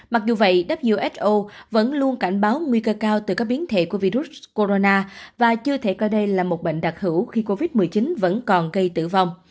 mặc dù vậy who vẫn luôn cảnh báo nguy cơ cao từ các biến thể của virus corona và chưa thể coi đây là một bệnh đặc hữu khi covid một mươi chín vẫn còn gây tử vong